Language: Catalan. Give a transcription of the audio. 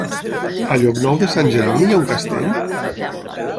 A Llocnou de Sant Jeroni hi ha un castell?